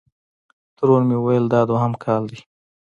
ترور مې ویل: دا دویم کال دی.